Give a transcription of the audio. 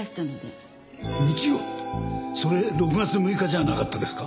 それ６月６日じゃなかったですか？